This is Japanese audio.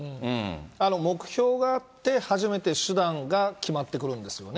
目標があって、初めて手段が決まってくるんですよね。